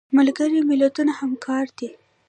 ملګري ملتونه همکار دي